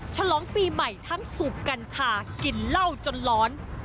ฉลองปีใหม่ทั้งสูบกัญชากินเหล้าจนร้อน